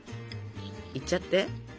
いっちゃって。